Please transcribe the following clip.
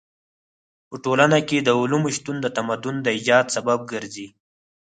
په ټولنه کې د علومو شتون د تمدن د ايجاد سبب ګرځي.